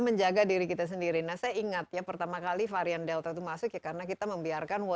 menjaga diri kita sendiri nah saya ingat ya pertama kali varian delta itu masuk ya karena kita membiarkan